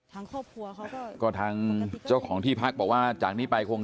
ทางครอบครัวเขาก็ก็ทางเจ้าของที่พักบอกว่าจากนี้ไปคง